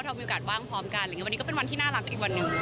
มีโอกาสว่างพร้อมกันอะไรอย่างนี้วันนี้ก็เป็นวันที่น่ารักอีกวันหนึ่ง